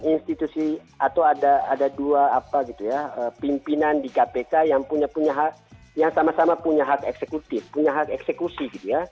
institusi atau ada dua pimpinan di kpk yang punya hak yang sama sama punya hak eksekutif punya hak eksekusi